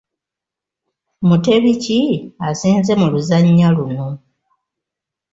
Muteebi ki asinze mu luzannya luno?